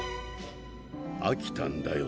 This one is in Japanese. あきたんだよ